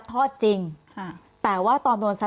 พี่เรื่องมันยังไงอะไรยังไง